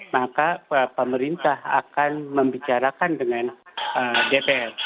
maka pemerintah akan membicarakan dengan dpr